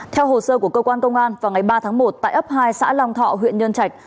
theo hồ sơ của cơ quan công an vào ngày ba tháng một tại ấp hai xã long thọ huyện nhân trạch